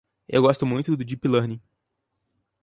Eu gosto muito do Deep Learning.